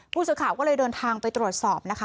ผู้สื่อข่าวก็เลยเดินทางไปตรวจสอบนะคะ